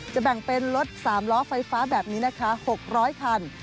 แบ่งเป็นรถ๓ล้อไฟฟ้าแบบนี้นะคะ๖๐๐คัน